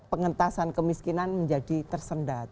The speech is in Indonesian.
pengentasan kemiskinan menjadi tersendat